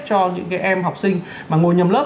cho những cái em học sinh mà ngồi nhầm lớp